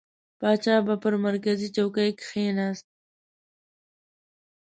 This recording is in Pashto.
پاچا به پر مرکزي چوکۍ کښېنست.